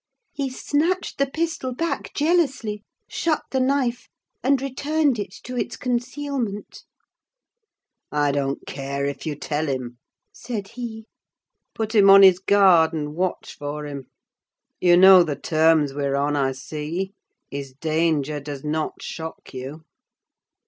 He snatched the pistol back, jealously; shut the knife, and returned it to its concealment. "I don't care if you tell him," said he. "Put him on his guard, and watch for him. You know the terms we are on, I see: his danger does not shock you."